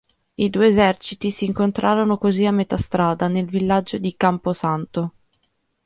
I due eserciti si incontrarono così a metà strada, nel villaggio di Camposanto.